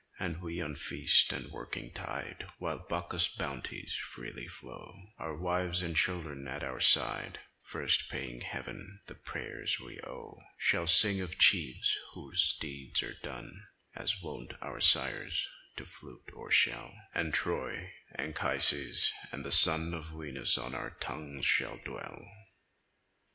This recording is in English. And we on feast and working tide, While Bacchus' bounties freely flow, Our wives and children at our side, First paying Heaven the prayers we owe, Shall sing of chiefs whose deeds are done, As wont our sires, to flute or shell, And Troy, Anchises, and the son Of Venus on our tongues shall dwell.